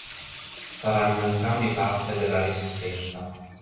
Faranno entrambi parte della Resistenza.